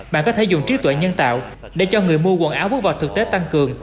bạn có thể dùng trí tuệ nhân tạo để cho người mua quần áo bước vào thực tế tăng cường